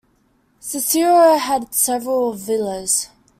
Cicero had several villas.